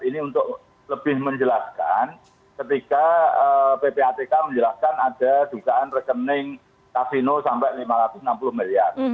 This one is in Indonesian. ini untuk lebih menjelaskan ketika ppatk menjelaskan ada dugaan rekening kasino sampai rp lima ratus enam puluh miliar